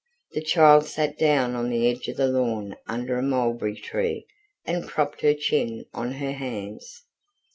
The child sat down on the edge of the lawn under a mulberry tree and propped her chin on her hands.